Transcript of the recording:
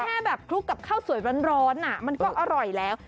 แค่แบบคลุกกับข้าวสวยร้อนมันก็อร่อยแล้ว